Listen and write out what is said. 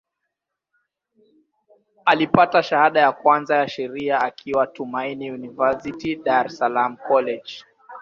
Alipata shahada ya kwanza ya Sheria akiwa Tumaini University, Dar es Salaam College.